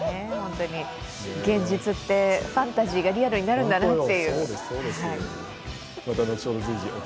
現実って、ファンタジーがリアルになるんだなって。